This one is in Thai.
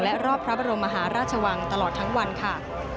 และรอบพระบรมมหาราชวังตลอดทั้งวันค่ะ